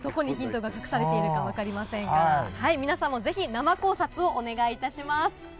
どこにヒントが隠されてるか分かりませんが、皆さんもぜひ生考察をお願いいたします。